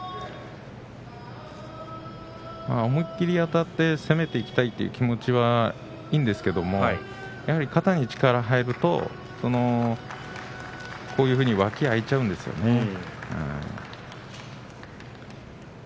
思いっきりあたって攻めていきたいって気持ちはいいんですけれども肩に力が入るとこういうふうに脇が空いちゃうんですよね。